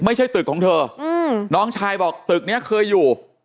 ไม่ใช่ตึกของเธอน้องชายบอกตึกนี้เคยอยู่